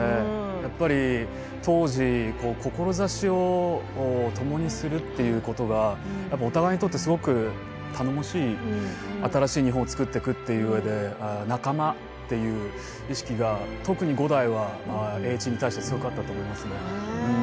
やっぱり当時、志をともにするということがお互いにとってすごく頼もしい新しい日本をつくっていくといううえで仲間という意識が特に五代は栄一に対して強かったと思いますね。